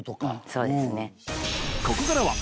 そうですね。